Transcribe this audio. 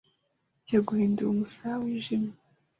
Yaguhinduye umusaya wijimye